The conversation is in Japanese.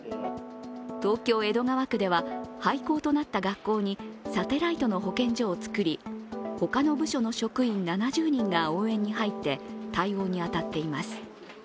東京・江戸川区では廃校となった学校にサテライトの保健所を作り他の部署の職員７０人が応援に入って対応に当たっています。